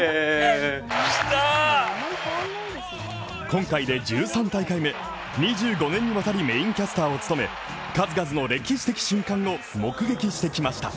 今回で１３大会目、２５年にわたりメインキャスターを務め数々の歴史的瞬間を目撃してきました。